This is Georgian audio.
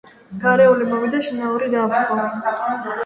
გარეული მოვიდა შინაური დააფრთხო